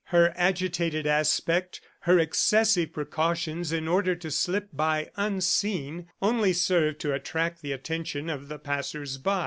Her agitated aspect, her excessive precautions in order to slip by unseen, only served to attract the attention of the passers by.